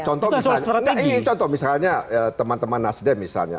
contoh misalnya teman teman nasdem misalnya